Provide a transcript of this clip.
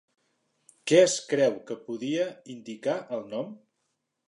Què es creu que podia indicar el nom?